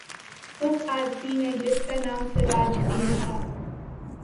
اس آدمی نے جس کا نام سراج دین تھا